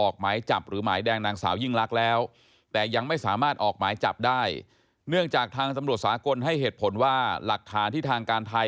ก็สุดแล้วแต่เขาจะพินา